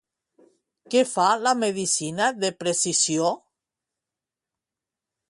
Què fa la medicina de precisió?